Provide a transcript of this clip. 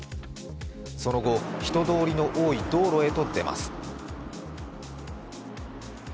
その後、人通りの多い道路へと出ます。